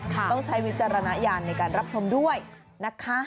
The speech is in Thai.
ต้องใช้วิจารณญาณในการรับชมด้วยนะคะ